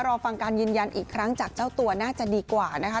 รอฟังการยืนยันอีกครั้งจากเจ้าตัวน่าจะดีกว่านะคะ